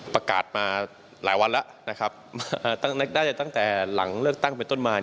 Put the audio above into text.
ประกาศมาหลายวันแล้วนะครับนึกได้ตั้งแต่หลังเลือกตั้งเป็นต้นมา